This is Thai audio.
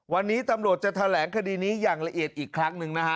วันนี้ตำรวจจะแถลงคดีนี้อย่างละเอียดอีกครั้งหนึ่งนะฮะ